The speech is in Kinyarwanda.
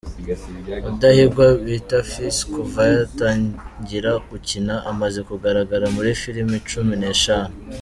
Mudahigwa bita Fils kuva yatangira gukina amaze kugaragara muri filimi cumi n'eshanu.